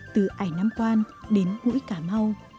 từ ải nam quan đến mũi cà mau